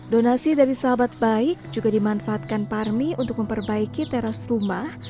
donasi dari sahabat baik juga dimanfaatkan parmi untuk memperbaiki teras rumah